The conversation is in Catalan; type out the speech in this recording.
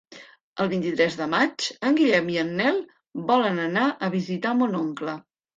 El vint-i-tres de maig en Guillem i en Nel volen anar a visitar mon oncle.